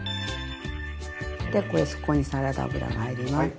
でこれそこにサラダ油が入ります。